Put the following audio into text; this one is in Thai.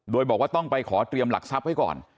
โดยบอกว่าต้องไปขอเตรียมหลักทรัพย์ไว้ก่อน